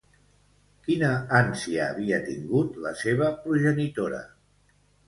Quina ànsia havia tingut la seva progenitora?